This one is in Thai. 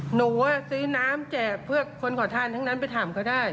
หนูซื้อน้ำแจกเพื่อคนขอทานทั้งนั้นไปถามเขาได้